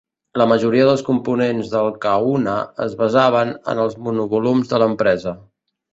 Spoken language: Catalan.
La majoria dels components del Kahuna es basaven en els monovolums de l'empresa.